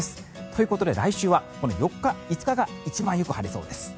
ということで来週は４日、５日が一番よく晴れそうです。